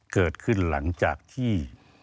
เกิดขึ้นหลังจากที่